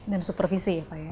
dan supervisi ya pak ya